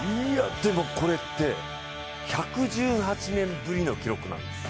でもこれって、１１８年ぶりの記録なんです。